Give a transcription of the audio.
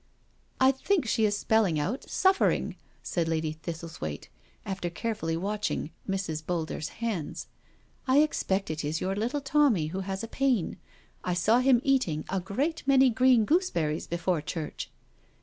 " I think she is spelling out ' suffering,' " said Lady Thistlethwaite, after carefully watching Mrs. Boulder's hands. " I expect it is your little Tommy who has a pain— I saw him eating a great many green goose berries before church."